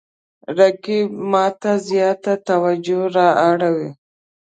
رقیب ما ته زیاته توجه را اړوي